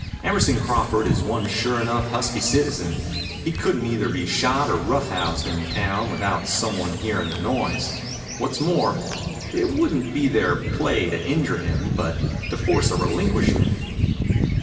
Emerson Crawford is one sure enough husky citizen. He couldn't either be shot or rough housed in town without some one hearin' the noise. What's more, it wouldn't be their play to injure him, but to force a relinquishment."